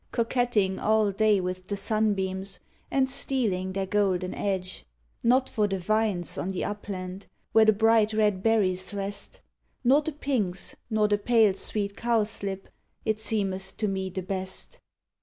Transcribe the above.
Coquetting all (lav with the sunbeams, And stealing their golden edge; Not for the vines on the upland. Where the bright red berries rest. Nor the pinks, nor the pale sweet cowslip, It seenieth to me the best.